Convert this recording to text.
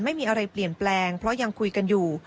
ไม่มีอะไรเปลี่ยนแปลงเพราะยังคุยกันอยู่